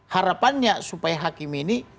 harapannya supaya hakim ini